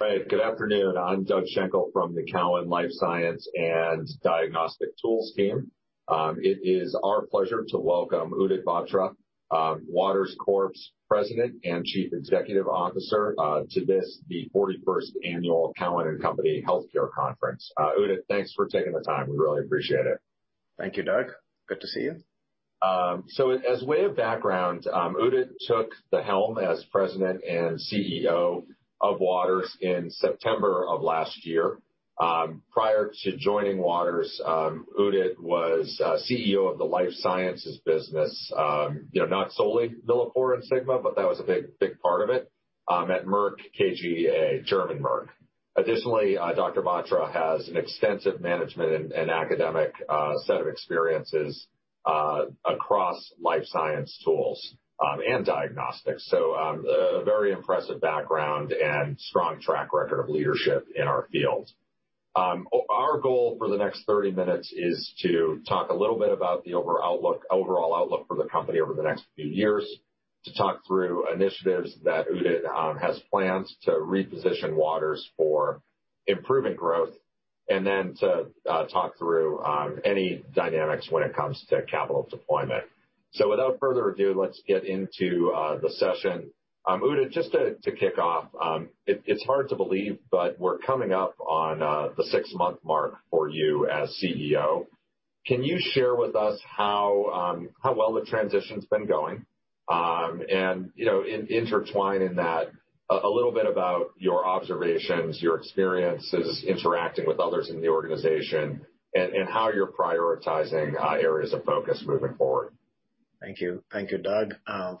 Good afternoon. I'm Doug Schenkel from the Cowen Life Science and Diagnostic Tools team. It is our pleasure to welcome Udit Batra, Waters Corp's President and Chief Executive Officer to this, the 41st Annual Cowen and Company Healthcare Conference. Udit, thanks for taking the time. We really appreciate it. Thank you, Doug. Good to see you. As a way of background, Udit took the helm as President and CEO of Waters in September of last year. Prior to joining Waters, Udit was a CEO of the Life Sciences business, you know, not solely MilliporeSigma, but that was a big, big part of it at Merck KGaA, German Merck. Additionally, Dr. Batra has an extensive management and academic set of experiences across Life Science Tools and Diagnostics. A very impressive background and strong track record of leadership in our field. Our goal for the next 30-minutes is to talk a little bit about the overall outlook for the company over the next few years, to talk through initiatives that Udit has planned to reposition Waters for improving growth, and then to talk through any dynamics when it comes to capital deployment. Without further ado, let's get into the session. Udit, just to kick off, it's hard to believe, but we're coming up on the six-month mark for you as CEO. Can you share with us how well the transition's been going? And you know, intertwine in that a little bit about your observations, your experiences interacting with others in the organization, and how you're prioritizing areas of focus moving forward. Thank you. Thank you, Doug.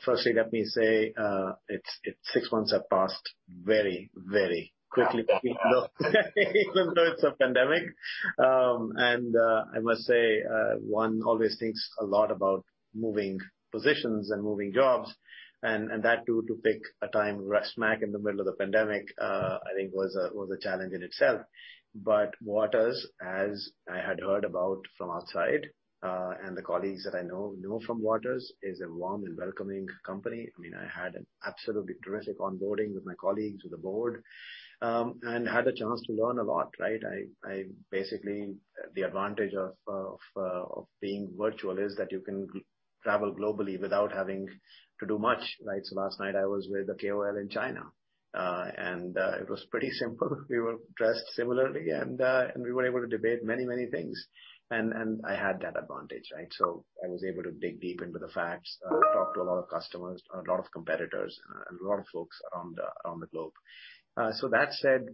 Firstly, let me say six months have passed very, very quickly, even though it's a pandemic. And I must say, one always thinks a lot about moving positions and moving jobs. And that too, to pick a time right smack in the middle of the pandemic, I think, was a challenge in itself. But Waters, as I had heard about from outside and the colleagues that I know from Waters, is a warm and welcoming company. I mean, I had an absolutely terrific onboarding with my colleagues with the board and had a chance to learn a lot, right? Basically, the advantage of being virtual is that you can travel globally without having to do much, right? So, last night I was with the KOL in China, and it was pretty simple. We were dressed similarly, and we were able to debate many, many things. I had that advantage, right? I was able to dig deep into the facts, talk to a lot of customers, a lot of competitors, and a lot of folks around the globe. That said,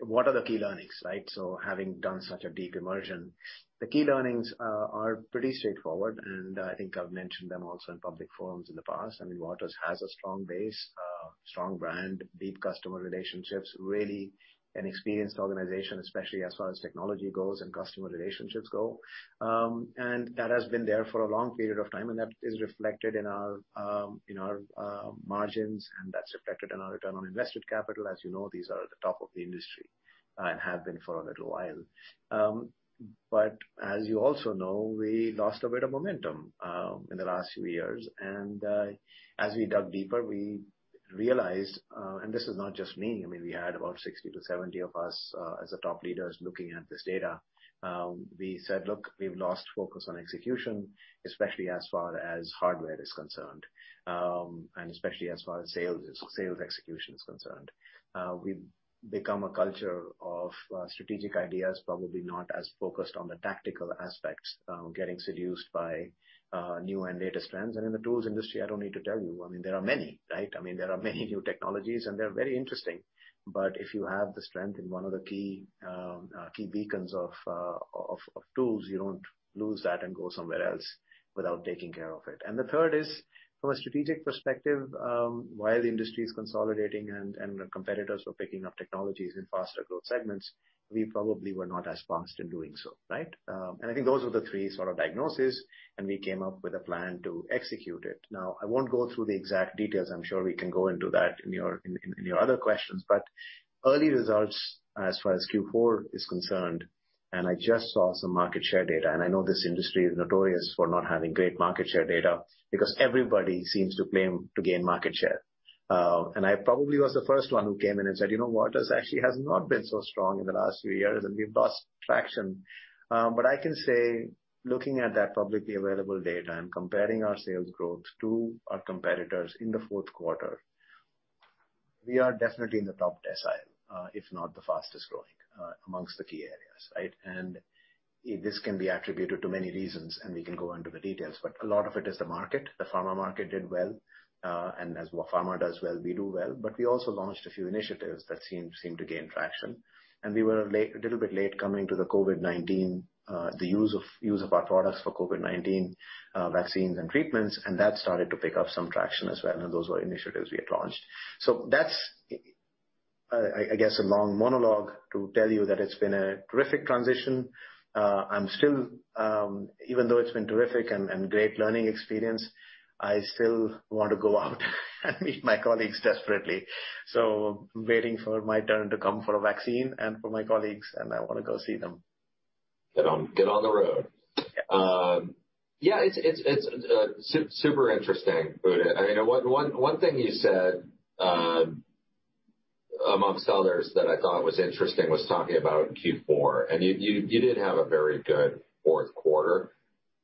what are the key learnings, right? Having done such a deep immersion, the key learnings are pretty straightforward, and I think I've mentioned them also in public forums in the past. I mean, Waters has a strong base, strong brand, deep customer relationships, really an experienced organization, especially as far as technology goes and customer relationships go. That has been there for a long period of time, and that is reflected in our margins, and that's reflected in our return on invested capital. As you know, these are at the top of the industry and have been for a little while. But as you also know, we lost a bit of momentum in the last few years. And as we dug deeper, we realized, and this is not just me, I mean, we had about 60-70 of us as the top leaders looking at this data. We said, look, we've lost focus on execution, especially as far as hardware is concerned, and especially as far as sales execution is concerned. We've become a culture of strategic ideas, probably not as focused on the tactical aspects, getting seduced by new and later strengths. And in the tools industry, I don't need to tell you, I mean, there are many, right? I mean, there are many new technologies, and they're very interesting. But if you have the strength in one of the key beacons of tools, you don't lose that and go somewhere else without taking care of it. And the third is, from a strategic perspective, while the industry is consolidating and competitors are picking up technologies in faster growth segments, we probably were not as fast in doing so, right? And I think those were the three sort of diagnoses, and we came up with a plan to execute it. Now, I won't go through the exact details. I'm sure we can go into that in your other questions. But early results, as far as Q4 is concerned, and I just saw some market share data, and I know this industry is notorious for not having great market share data because everybody seems to claim to gain market share. And I probably was the first one who came in and said, you know, Waters actually has not been so strong in the last few years, and we've lost traction. But I can say, looking at that publicly available data and comparing our sales growth to our competitors in the fourth quarter, we are definitely in the top decile, if not the fastest growing amongst the key areas, right? And this can be attributed to many reasons, and we can go into the details, but a lot of it is the market. The pharma market did well, and as pharma does well, we do well. But we also launched a few initiatives that seemed to gain traction. And we were a little bit late coming to the COVID-19, the use of our products for COVID-19 vaccines and treatments, and that started to pick up some traction as well. And those were initiatives we had launched. So, that's, I guess, a long monologue to tell you that it's been a terrific transition. I'm still, even though it's been terrific and a great learning experience, I still want to go out and meet my colleagues desperately, so I'm waiting for my turn to come for a vaccine and for my colleagues, and I want to go see them. Get on the road. Yeah, it's super interesting, Udit. I mean, one thing you said among others that I thought was interesting was talking about Q4, and you did have a very good fourth quarter.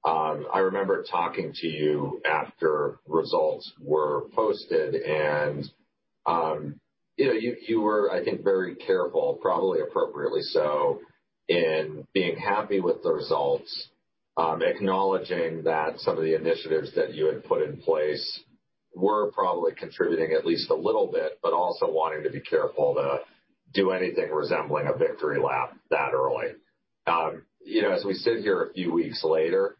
I remember talking to you after results were posted, and you were, I think, very careful, probably appropriately so, in being happy with the results, acknowledging that some of the initiatives that you had put in place were probably contributing at least a little bit, but also wanting to be careful to do anything resembling a victory lap that early. You know, as we sit here a few weeks later,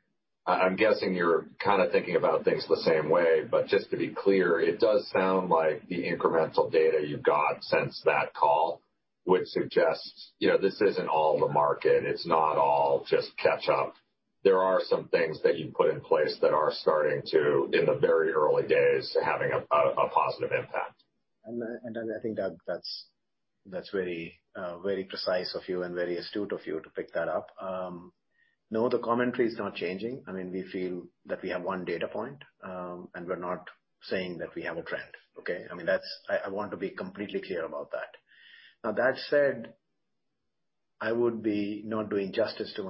I'm guessing you're kind of thinking about things the same way, but just to be clear, it does sound like the incremental data you've got since that call would suggest, you know, this isn't all the market. It's not all just catch up. There are some things that you've put in place that are starting to, in the very early days, having a positive impact. And I think, Doug, that's very, very precise of you and very astute of you to pick that up. No, the commentary is not changing. I mean, we feel that we have one data point, and we're not saying that we have a trend, okay? I mean, that's, I want to be completely clear about that. Now, that said, I would be not doing justice to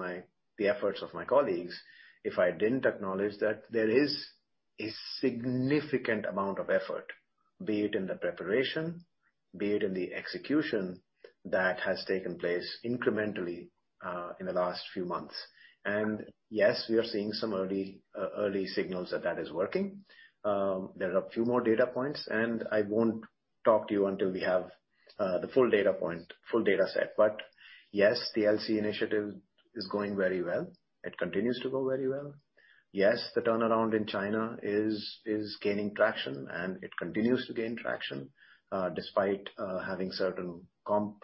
the efforts of my colleagues if I didn't acknowledge that there is a significant amount of effort, be it in the preparation, be it in the execution that has taken place incrementally in the last few months. And yes, we are seeing some early signals that that is working. There are a few more data points, and I won't talk to you until we have the full data point, full data set. But yes, the LC initiative is going very well. It continues to go very well. Yes, the turnaround in China is gaining traction, and it continues to gain traction despite having certain comp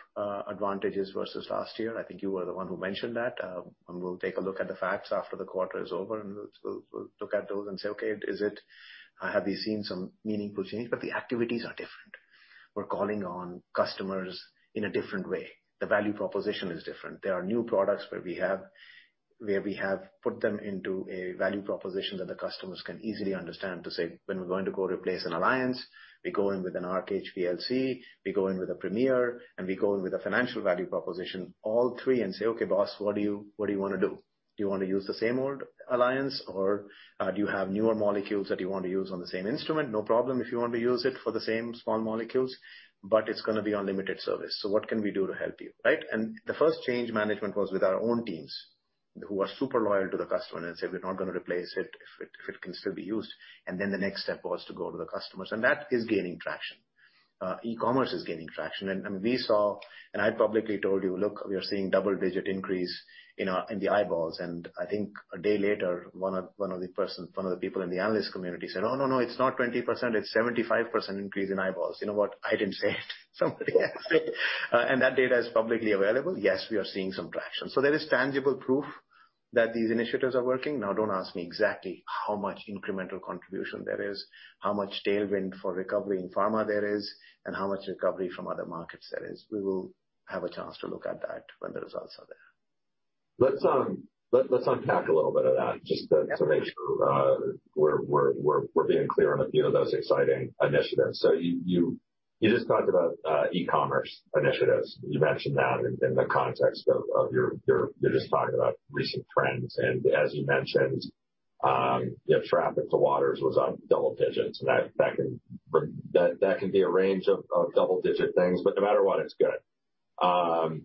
advantages versus last year. I think you were the one who mentioned that, and we'll take a look at the facts after the quarter is over, and we'll look at those and say, okay, is it, have we seen some meaningful change, but the activities are different. We're calling on customers in a different way. The value proposition is different. There are new products where we have put them into a value proposition that the customers can easily understand to say, when we're going to go replace an Alliance, we go in with an Arc HPLC, we go in with a Premier, and we go in with a financial value proposition, all three and say, okay, boss, what do you want to do? Do you want to use the same old Alliance, or do you have newer molecules that you want to use on the same instrument? No problem if you want to use it for the same small molecules, but it's going to be unlimited service. So, what can we do to help you, right? And the first change management was with our own teams who are super loyal to the customer and say, we're not going to replace it if it can still be used. And then the next step was to go to the customers. And that is gaining traction. E-commerce is gaining traction. And we saw, and I publicly told you, look, we are seeing double digit increase in the eyeballs. And I think a day later, one of the people in the analyst community said, oh, no, no, it's not 20%, it's 75% increase in eyeballs. You know what? I didn't say it. Somebody else said it, and that data is publicly available. Yes, we are seeing some traction, so there is tangible proof that these initiatives are working. Now, don't ask me exactly how much incremental contribution there is, how much tailwind for recovery in pharma there is, and how much recovery from other markets there is. We will have a chance to look at that when the results are there. Let's unpack a little bit of that just to make sure we're being clear on a few of those exciting initiatives. So, you just talked about e-commerce initiatives. You mentioned that in the context of you're just talking about recent trends. And as you mentioned, you know, traffic to Waters was up double digits. That can be a range of double digit things, but no matter what, it's good.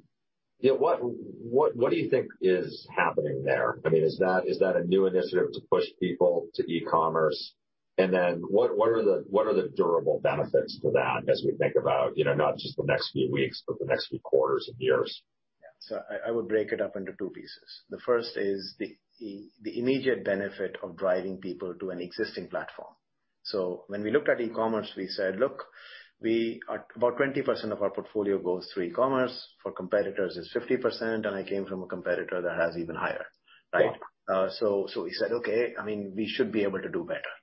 What do you think is happening there? I mean, is that a new initiative to push people to e-commerce? And then what are the durable benefits to that as we think about, you know, not just the next few weeks, but the next few quarters and years? Yeah. So, I would break it up into two pieces. The first is the immediate benefit of driving people to an existing platform. So, when we looked at e-commerce, we said, look, about 20% of our portfolio goes through e-commerce. For competitors, it's 50%, and I came from a competitor that has even higher, right? So, we said, okay, I mean, we should be able to do better,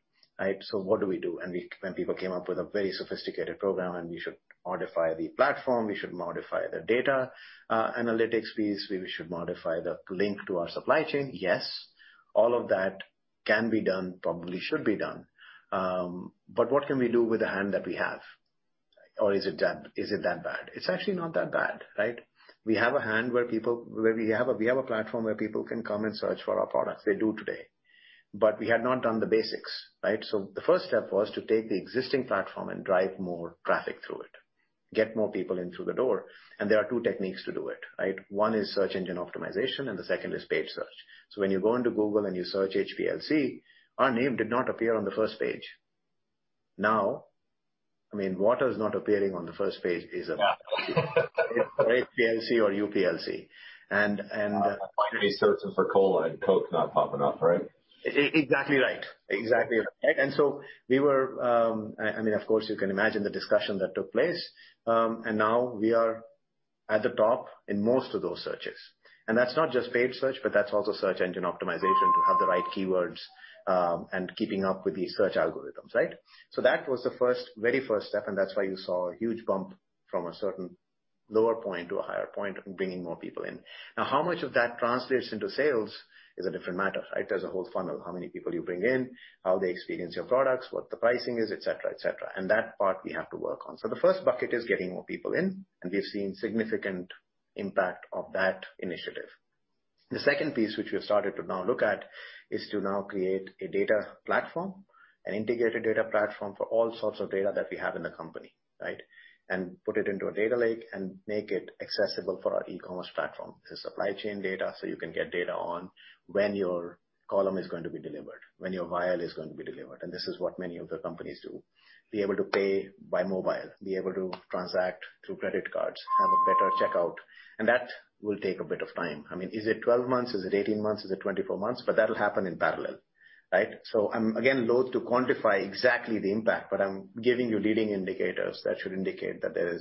right? So, what do we do? And when people came up with a very sophisticated program and we should modify the platform, we should modify the data analytics piece, we should modify the link to our supply chain. Yes, all of that can be done, probably should be done. But what can we do with the hand that we have? Or is it that bad? It's actually not that bad, right? We have a platform where people can come and search for our products they do today, but we had not done the basics, right, so the first step was to take the existing platform and drive more traffic through it, get more people in through the door and there are two techniques to do it, right? One is Search Engine Optimization, and the second is Paid Search. So when you go into Google and you search HPLC, our name did not appear on the first page. Now, I mean, Waters not appearing on the first page is a sin for HPLC or UPLC and. You're searching for Cola and Coke not popping up, right? Exactly right. Exactly right. And so, we were. I mean, of course, you can imagine the discussion that took place. And now we are at the top in most of those searches. And that's not just paid search, but that's also search engine optimization to have the right keywords and keeping up with the search algorithms, right? So, that was the first, very first step, and that's why you saw a huge bump from a certain lower point to a higher point and bringing more people in. Now, how much of that translates into sales is a different matter, right? There's a whole funnel, how many people you bring in, how they experience your products, what the pricing is, et cetera, et cetera. And that part we have to work on. So, the first bucket is getting more people in, and we've seen significant impact of that initiative. The second piece, which we've started to now look at, is to now create a data platform, an integrated data platform for all sorts of data that we have in the company, right? And put it into a data lake and make it accessible for our e-commerce platform. This is supply chain data, so you can get data on when your column is going to be delivered, when your vial is going to be delivered. And this is what many of the companies do. Be able to pay by mobile, be able to transact through credit cards, have a better checkout. And that will take a bit of time. I mean, is it 12 months? Is it 18 months? Is it 24 months? But that'll happen in parallel, right? So, I'm again loath to quantify exactly the impact, but I'm giving you leading indicators that should indicate that there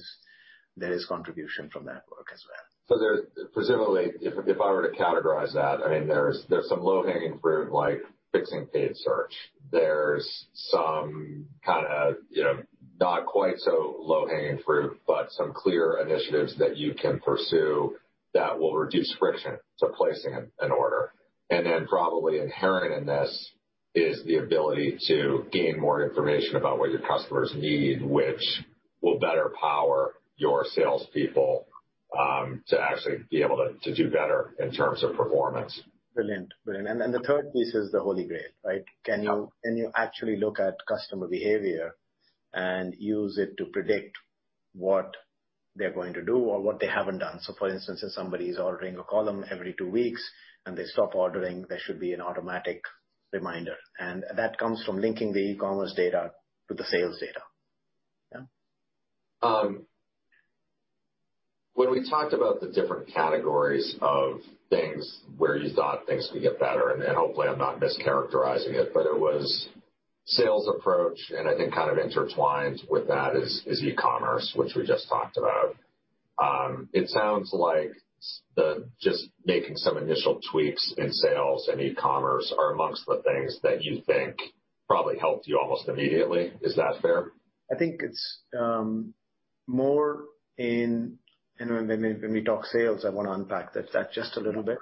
is contribution from that work as well. So, presumably, if I were to categorize that, I mean, there's some low-hanging fruit like fixing Paid Search. There's some kind of, you know, not quite so low-hanging fruit, but some clear initiatives that you can pursue that will reduce friction to placing an order. And then probably inherent in this is the ability to gain more information about what your customers need, which will better power your salespeople to actually be able to do better in terms of performance. Brilliant. And the third piece is the holy grail, right? Can you actually look at customer behavior and use it to predict what they're going to do or what they haven't done? So, for instance, if somebody is ordering a column every two weeks and they stop ordering, there should be an automatic reminder. And that comes from linking the e-commerce data to the sales data. Yeah. When we talked about the different categories of things where you thought things could get better, and hopefully I'm not mischaracterizing it, but it was sales approach, and I think kind of intertwined with that is e-commerce, which we just talked about. It sounds like just making some initial tweaks in sales and e-commerce are amongst the things that you think probably helped you almost immediately. Is that fair? I think it's more in, and when we talk sales, I want to unpack that just a little bit.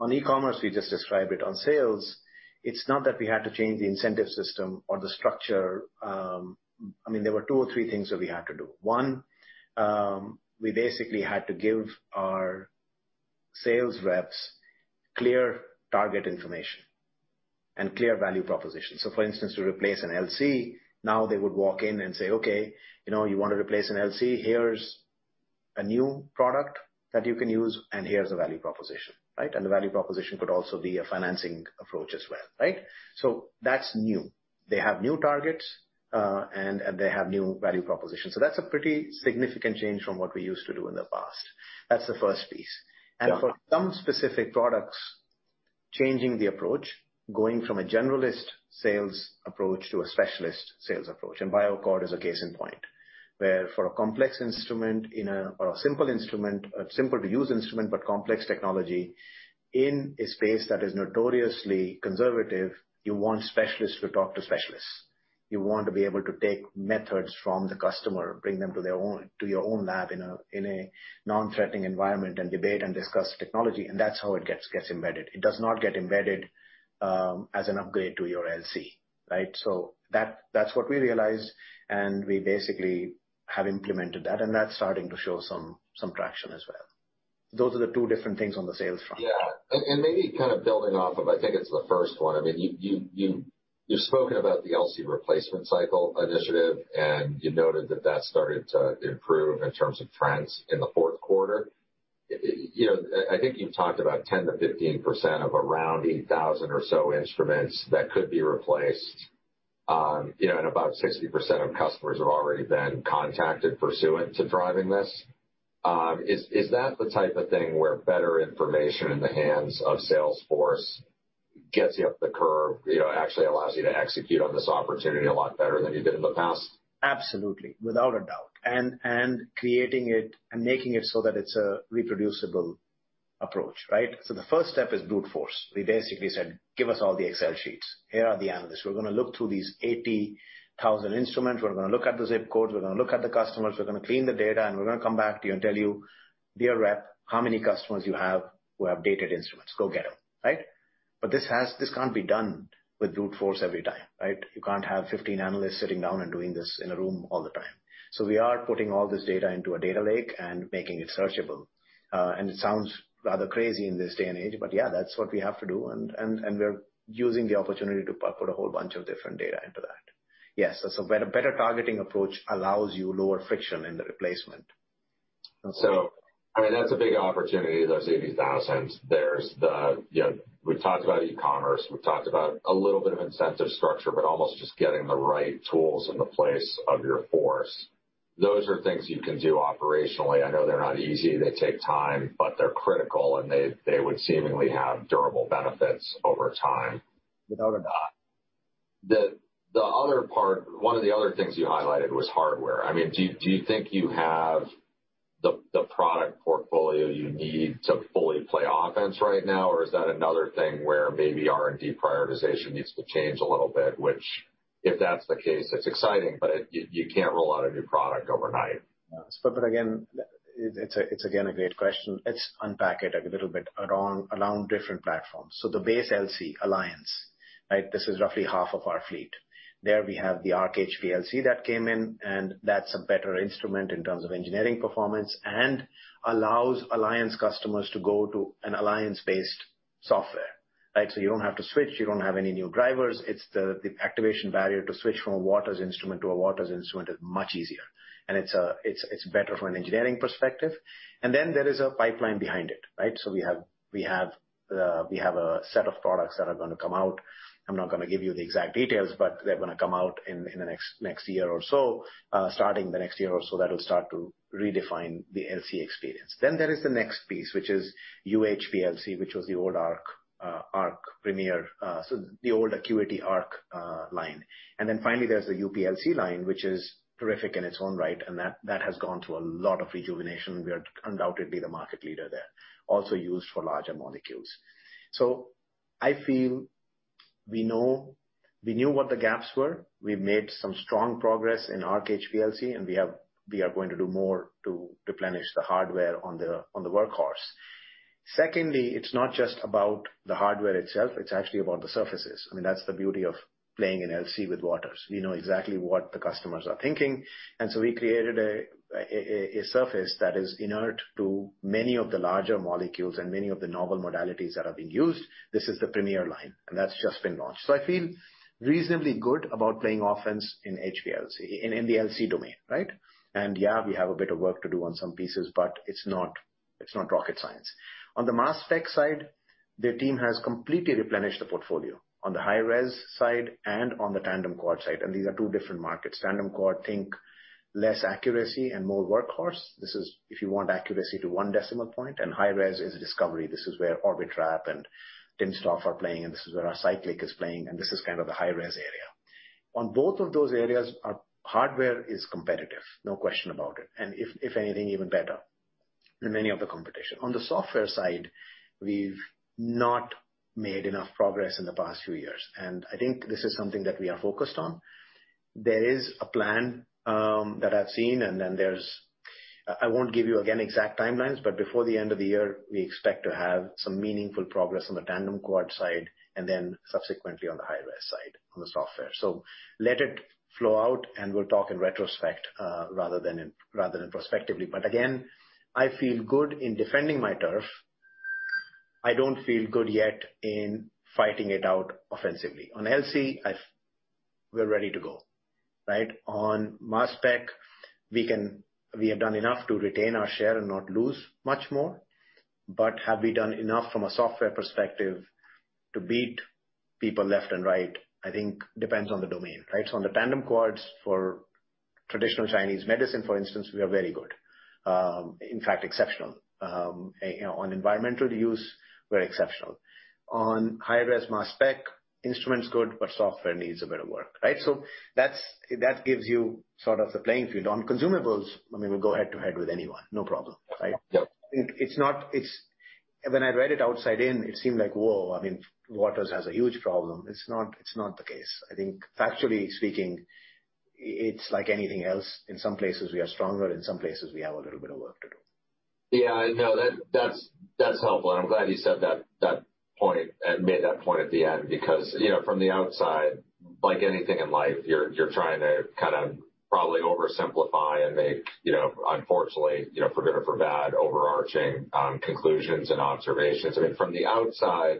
On e-commerce, we just described it. On sales, it's not that we had to change the incentive system or the structure. I mean, there were two or three things that we had to do. One, we basically had to give our sales reps clear target information and clear value proposition. So, for instance, to replace an LC, now they would walk in and say, okay, you know, you want to replace an LC, here's a new product that you can use, and here's a value proposition, right? And the value proposition could also be a financing approach as well, right? So, that's new. They have new targets, and they have new value propositions. So, that's a pretty significant change from what we used to do in the past. That's the first piece, and for some specific products, changing the approach, going from a generalist sales approach to a specialist sales approach, and BioAccord is a case in point, where for a complex instrument, or a simple instrument, a simple-to-use instrument, but complex technology in a space that is notoriously conservative, you want specialists to talk to specialists. You want to be able to take methods from the customer, bring them to your own lab in a non-threatening environment and debate and discuss technology, and that's how it gets embedded. It does not get embedded as an upgrade to your LC, right? That's what we realized, and we basically have implemented that, and that's starting to show some traction as well. Those are the two different things on the sales front. Yeah. And maybe kind of building off of, I think it's the first one. I mean, you've spoken about the LC replacement cycle initiative, and you noted that that started to improve in terms of trends in the fourth quarter. You know, I think you've talked about 10%-15% of around 8,000 or so instruments that could be replaced. You know, and about 60% of customers have already been contacted pursuant to driving this. Is that the type of thing where better information in the hands of salesforce gets you up the curve, you know, actually allows you to execute on this opportunity a lot better than you did in the past? Absolutely, without a doubt. And creating it and making it so that it's a reproducible approach, right? So, the first step is brute force. We basically said, give us all the excel sheets. Here are the analysts. We're going to look through these 80,000 instruments. We're going to look at the zip codes. We're going to look at the customers. We're going to clean the data, and we're going to come back to you and tell you, dear rep, how many customers you have who have dated instruments. Go get them, right? But this can't be done with brute force every time, right? You can't have 15 analysts sitting down and doing this in a room all the time. So, we are putting all this data into a data lake and making it searchable. It sounds rather crazy in this day and age, but yeah, that's what we have to do. We're using the opportunity to put a whole bunch of different data into that. Yes, a better targeting approach allows you lower friction in the replacement. So, I mean, that's a big opportunity. There's 80,000. There's the, you know, we've talked about e-commerce. We've talked about a little bit of incentive structure, but almost just getting the right tools in place for your sales force. Those are things you can do operationally. I know they're not easy. They take time, but they're critical, and they would seemingly have durable benefits over time. Without a doubt. The other part, one of the other things you highlighted was hardware. I mean, do you think you have the product portfolio you need to fully play offense right now, or is that another thing where maybe R&D prioritization needs to change a little bit, which if that's the case, it's exciting, but you can't roll out a new product overnight? But again, it's a great question. Let's unpack it a little bit around different platforms. So, the base LC Alliance, right? This is roughly half of our fleet. There we have the Arc HPLC that came in, and that's a better instrument in terms of engineering performance and allows Alliance customers to go to an Alliance-based software, right? So, you don't have to switch. You don't have any new drivers. It's the activation barrier to switch from a Waters instrument to a Waters instrument is much easier. And it's better from an engineering perspective. And then there is a pipeline behind it, right? So, we have a set of products that are going to come out. I'm not going to give you the exact details, but they're going to come out in the next year or so. Starting the next year or so, that will start to redefine the LC experience. Then there is the next piece, which is UHPLC, which was the old Arc Premier, so the old ACQUITY Arc line, and then finally, there's the UPLC line, which is terrific in its own right, and that has gone through a lot of rejuvenation. We are undoubtedly the market leader there, also used for larger molecules. So, I feel we knew what the gaps were. We've made some strong progress in Arc HPLC, and we are going to do more to replenish the hardware on the workhorse. Secondly, it's not just about the hardware itself. It's actually about the surfaces. I mean, that's the beauty of playing in LC with Waters. We know exactly what the customers are thinking. And so, we created a surface that is inert to many of the larger molecules and many of the novel modalities that are being used. This is the Premier line, and that's just been launched. So, I feel reasonably good about playing offense in HPLC, in the LC domain, right? And yeah, we have a bit of work to do on some pieces, but it's not rocket science. On the mass spec side, the team has completely replenished the portfolio on the high-res side and on the Tandem Quad side. And these are two different markets. Tandem Quad, think less accuracy and more workhorse. This is if you want accuracy to one decimal point, and high-res is discovery. This is where Orbitrap and timsTOF are playing, and this is where our Cyclic is playing, and this is kind of the high-res area. On both of those areas, hardware is competitive, no question about it, and if anything, even better than any of the competition. On the software side, we've not made enough progress in the past few years, and I think this is something that we are focused on. There is a plan that I've seen, and then there's, I won't give you again exact timelines, but before the end of the year, we expect to have some meaningful progress on the Tandem Quad side and then subsequently on the high-res side on the software. So, let it flow out, and we'll talk in retrospect rather than prospectively. But again, I feel good in defending my turf. I don't feel good yet in fighting it out offensively. On LC, we're ready to go, right? On mass spec, we have done enough to retain our share and not lose much more. But have we done enough from a software perspective to beat people left and right? I think it depends on the domain, right? So, on the Tandem Quads for traditional Chinese medicine, for instance, we are very good. In fact, exceptional. On environmental use, we're exceptional. On high-res mass spec, instrument's good, but software needs a bit of work, right? So, that gives you sort of the playing field. On consumables, I mean, we'll go head to head with anyone, no problem, right? When I read it outside in, it seemed like, whoa, I mean, Waters has a huge problem. It's not the case. I think factually speaking, it's like anything else. In some places, we are stronger. In some places, we have a little bit of work to do. Yeah, no, that's helpful. And I'm glad you said that point and made that point at the end because, you know, from the outside, like anything in life, you're trying to kind of probably oversimplify and make, you know, unfortunately, you know, for good or for bad, overarching conclusions and observations. I mean, from the outside,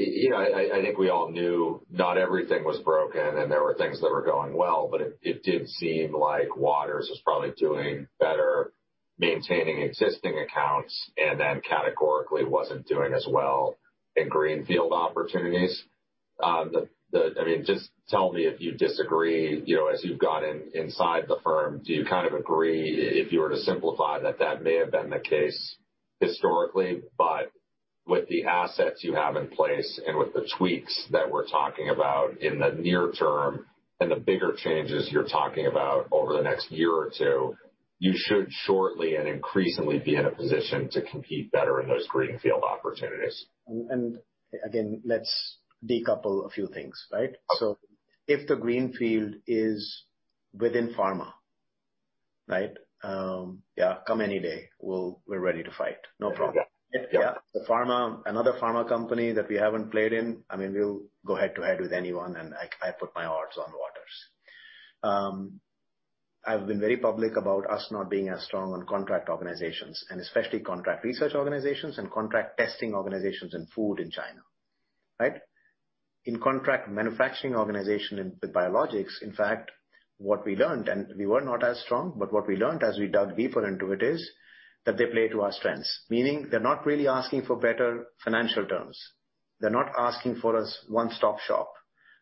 you know, I think we all knew not everything was broken and there were things that were going well, but it did seem like Waters was probably doing better maintaining existing accounts and then categorically wasn't doing as well in greenfield opportunities. I mean, just tell me if you disagree, you know, as you've gotten inside the firm, do you kind of agree if you were to simplify that that may have been the case historically, but with the assets you have in place and with the tweaks that we're talking about in the near term and the bigger changes you're talking about over the next year or two, you should shortly and increasingly be in a position to compete better in those greenfield opportunities? Again, let's decouple a few things, right? So, if the greenfield is within pharma, right? Yeah, come any day, we're ready to fight. No problem. Yeah, another pharma company that we haven't played in, I mean, we'll go head to head with anyone, and I put my odds on Waters. I've been very public about us not being as strong on contract organizations, and especially contract research organizations and contract testing organizations in food in China, right? In contract manufacturing organization with biologics, in fact, what we learned, and we were not as strong, but what we learned as we dug deeper into it is that they play to our strengths, meaning they're not really asking for better financial terms. They're not asking for us one-stop shop.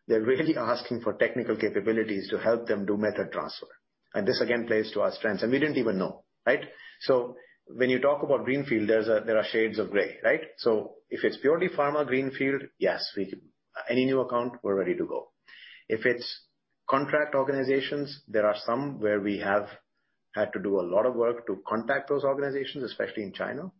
They're really asking for technical capabilities to help them do method transfer. And this again plays to our strengths, and we didn't even know, right? So, when you talk about greenfield, there are shades of gray, right? So, if it's purely pharma greenfield, yes, any new account, we're ready to go. If it's contract organizations, there are some where we have had to do a lot of work to contact those organizations, especially in China,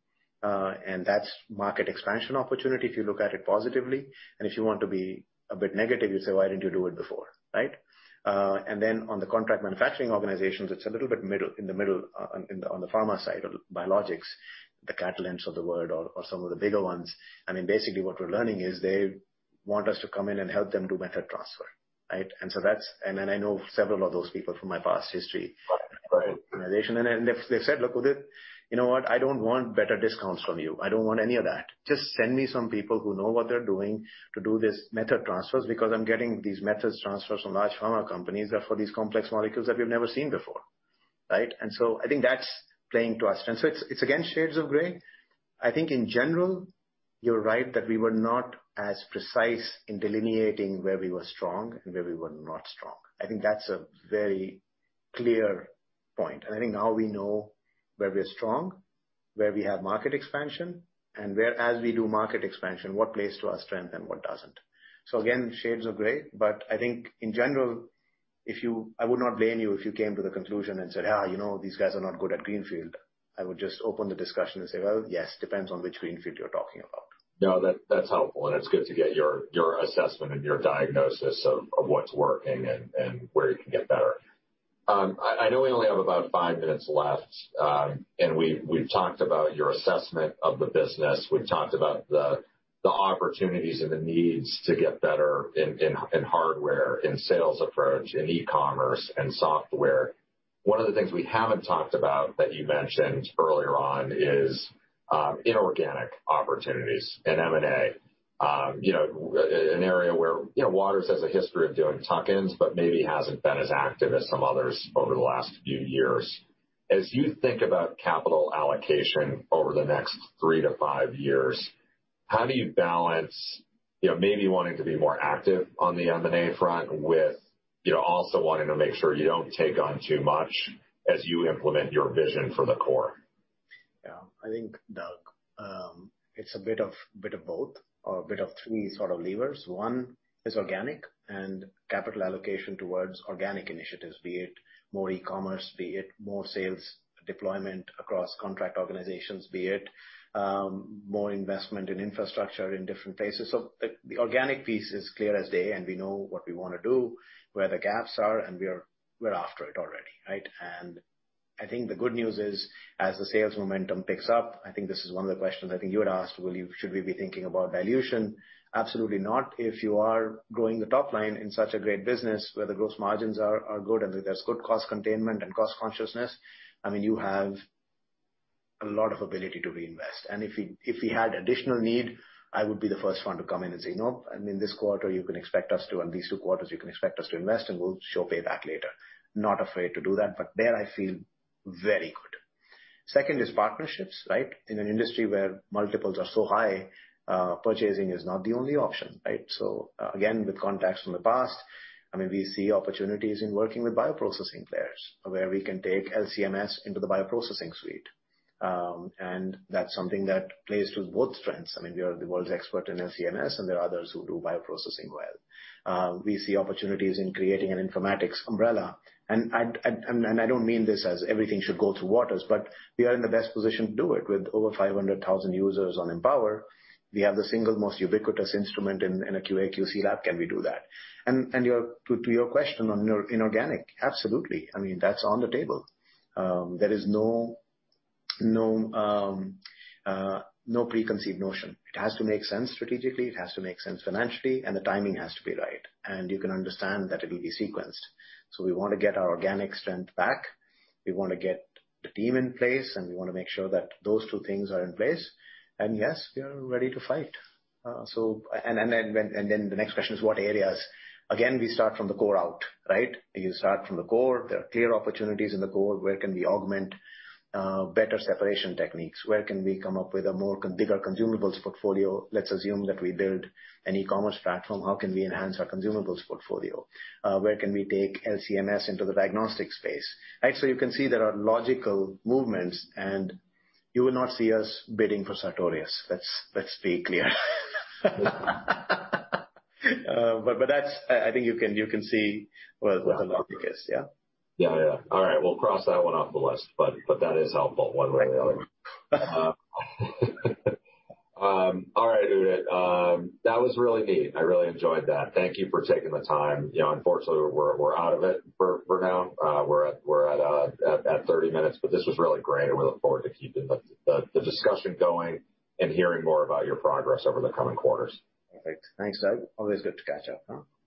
and that's market expansion opportunity if you look at it positively. And if you want to be a bit negative, you say, why didn't you do it before, right? And then on the contract manufacturing organizations, it's a little bit in the middle on the pharma side or biologics, the Catalent of the world or some of the bigger ones. I mean, basically what we're learning is they want us to come in and help them do method transfer, right? And so that's, and I know several of those people from my past history organization, and they've said, look, you know what, I don't want better discounts from you. I don't want any of that. Just send me some people who know what they're doing to do these method transfers because I'm getting these method transfers from large pharma companies that are for these complex molecules that we've never seen before, right? And so I think that's playing to us. And so it's again shades of gray. I think in general, you're right that we were not as precise in delineating where we were strong and where we were not strong. I think that's a very clear point. And I think now we know where we're strong, where we have market expansion, and whereas we do market expansion, what plays to our strength and what doesn't. So again, shades of gray, but I think in general, I would not blame you if you came to the conclusion and said, you know, these guys are not good at greenfield. I would just open the discussion and say, well, yes, depends on which greenfield you're talking about. No, that's helpful, and it's good to get your assessment and your diagnosis of what's working and where you can get better. I know we only have about five minutes left, and we've talked about your assessment of the business. We've talked about the opportunities and the needs to get better in hardware, in sales approach, in e-commerce, and software. One of the things we haven't talked about that you mentioned earlier on is inorganic opportunities in M&A, you know, an area where Waters has a history of doing tuck-ins, but maybe hasn't been as active as some others over the last few years. As you think about capital allocation over the next three to five years, how do you balance, you know, maybe wanting to be more active on the M&A front with, you know, also wanting to make sure you don't take on too much as you implement your vision for the core? Yeah, I think, Doug, it's a bit of both or a bit of three sort of levers. One is organic and capital allocation towards organic initiatives, be it more e-commerce, be it more sales deployment across contract organizations, be it more investment in infrastructure in different places. So, the organic piece is clear as day, and we know what we want to do, where the gaps are, and we're after it already, right? And I think the good news is, as the sales momentum picks up, I think this is one of the questions I think you had asked, should we be thinking about dilution? Absolutely not. If you are growing the top line in such a great business where the gross margins are good and there's good cost containment and cost consciousness, I mean, you have a lot of ability to reinvest. And if we had additional need, I would be the first one to come in and say, nope, I mean, this quarter you can expect us to, and these two quarters you can expect us to invest, and we'll show payback later. Not afraid to do that, but there I feel very good. Second is partnerships, right? In an industry where multiples are so high, purchasing is not the only option, right? So, again, with contacts from the past, I mean, we see opportunities in working with bioprocessing players where we can take LC-MS into the bioprocessing suite. And that's something that plays to both strengths. I mean, we are the world's expert in LC-MS, and there are others who do bioprocessing well. We see opportunities in creating an informatics umbrella. And I don't mean this as everything should go through Waters, but we are in the best position to do it with over 500,000 users on Empower. We have the single most ubiquitous instrument in a QA/QC lab. Can we do that? And to your question on inorganic, absolutely. I mean, that's on the table. There is no preconceived notion. It has to make sense strategically. It has to make sense financially, and the timing has to be right. And you can understand that it will be sequenced. So, we want to get our organic strength back. We want to get the team in place, and we want to make sure that those two things are in place. And yes, we are ready to fight. So, and then the next question is what areas? Again, we start from the core out, right? You start from the core. There are clear opportunities in the core. Where can we augment better separation techniques? Where can we come up with a more bigger consumables portfolio? Let's assume that we build an e-commerce platform. How can we enhance our consumables portfolio? Where can we take LC-MS into the diagnostic space? Right? So, you can see there are logical movements, and you will not see us bidding for Sartorius. Let's be clear. But that's, I think you can see what the logic is, yeah? Yeah, yeah. All right, we'll cross that one off the list, but that is helpful one way or the other. All right, Udit, that was really neat. I really enjoyed that. Thank you for taking the time. You know, unfortunately, we're out of it for now. We're at 30-minutes, but this was really great, and we look forward to keeping the discussion going and hearing more about your progress over the coming quarters. Perfect. Thanks, Doug. Always good to catch up.